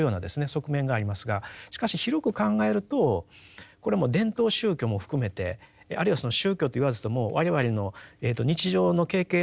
側面がありますがしかし広く考えるとこれはもう伝統宗教も含めてあるいはその宗教と言わずとも我々の日常の経験